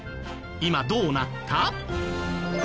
今どうなった？